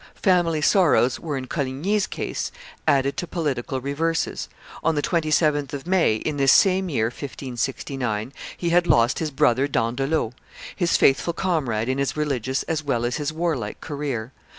Family sorrows were in Coligny's case added to political reverses; on the 27th of May, in this same year 1569, he had lost his brother D'Andelot, his faithful comrade in his religious as well as his warlike career.